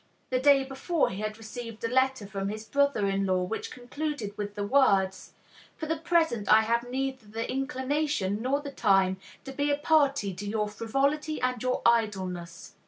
The day before he had received a letter from his brother in law, which concluded with the words, "For the present I have neither the inclination nor the time to be a party to your frivolity and your idleness."